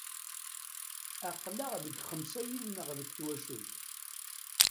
Aql-aɣ deg xemsa yid-neɣ deg twacult.